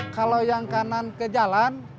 kalau yang kanan ke jalan